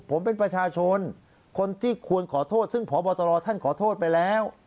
ผมเป็นประชาชนคนที่ควรขอโทษซึ่งพบตรท่านขอโทษไปแล้ว